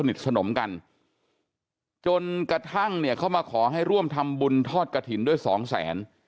สนมกันจนกระทั่งเนี่ยเขามาขอให้ร่วมทำบุญทอดกระถิ่นด้วยสองแสน